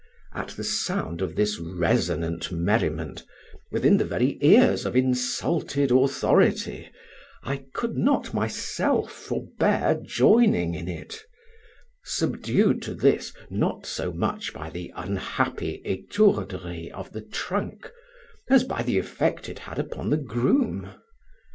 At the sound of this resonant merriment, within the very ears of insulted authority, I could not myself forbear joining in it; subdued to this, not so much by the unhappy étourderie of the trunk, as by the effect it had upon the groom.